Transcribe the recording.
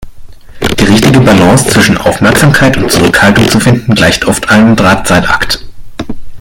Die richtige Balance zwischen Aufmerksamkeit und Zurückhaltung zu finden, gleicht oft einem Drahtseilakt.